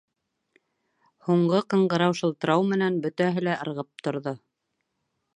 Һуңғы ҡыңғырау шылтырау менән, бөтәһе лә ырғып торҙо.